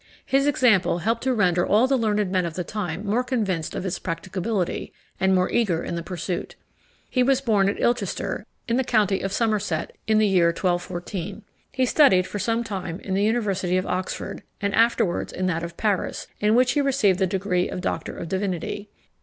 His example helped to render all the learned men of the time more convinced of its practicability, and more eager in the pursuit. He was born at Ilchester, in the county of Somerset, in the year 1214. He studied for some time in the University of Oxford, and afterwards in that of Paris, in which he received the degree of doctor of divinity.